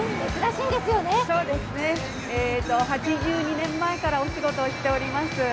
そうですね、８２年前からお仕事をしております。